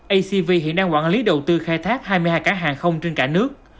acv hiện đang quản lý đầu tư khai thác hai mươi hai cả hàng không trên cả nước